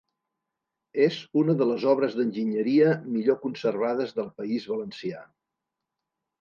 És una de les obres d'enginyeria millor conservades del País Valencià.